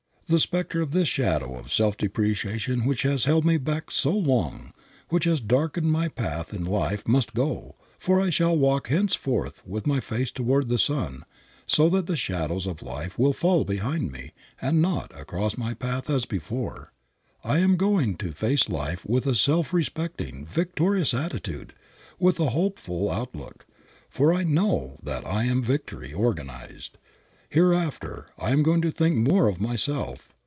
"This specter, this shadow of self depreciation which has held me back so long, which has darkened my path in life must go, for I shall walk henceforth with my face toward the sun so that the shadows of life will fall behind me, and not across my path as before. I am going to face life with a self respecting, victorious attitude, with a hopeful outlook, for I know that I am victory organized. Hereafter I am going to think more of myself.